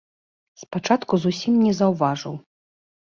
Спачатку зусім не заўважыў.